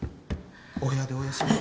お部屋でお休みに。